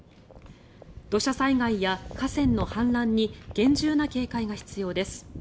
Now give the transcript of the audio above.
土砂災害や河川の氾濫に厳重な警戒が必要です。